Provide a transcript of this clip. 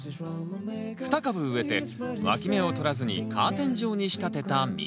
２株植えてわき芽を取らずにカーテン状に仕立てたミニトマト。